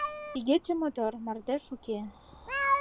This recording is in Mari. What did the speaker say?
Игече мотор, мардеж уке.